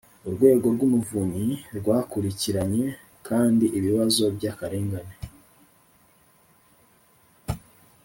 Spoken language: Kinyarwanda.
urwego rw’umuvunyi rwakurikiranye kandi ibibazo by’akarengane